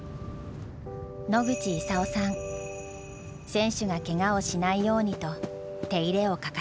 選手がケガをしないようにと手入れを欠かさない。